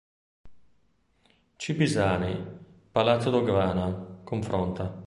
C. Pisani, Palazzo Dogana, cfr.